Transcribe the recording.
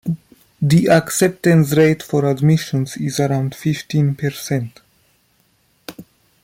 The acceptance rate for admissions is around fifteen percent.